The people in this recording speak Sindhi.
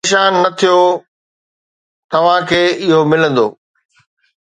پريشان نه ٿيو توهان کي اهو ملندو